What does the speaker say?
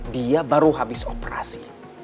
dia baru habis operasi